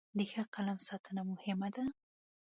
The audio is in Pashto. د ښه قلم ساتنه مهمه ده.